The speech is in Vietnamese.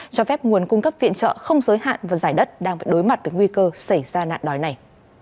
cho phép nguồn cung cấp viện trợ không giới hạn và giải đất đang đối mặt với nguy cơ xảy ra nạn đói này